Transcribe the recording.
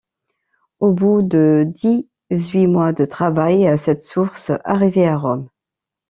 Au bout de dix-huit mois de travail, cette source arrivait à Rome.